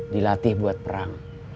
dilatih buat perang